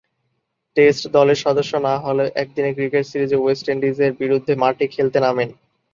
Test দলের সদস্য না হলেও একদিনের ক্রিকেট সিরিজে ওয়েস্ট ইন্ডিজের বিরুদ্ধে মাঠে খেলতে নামেন।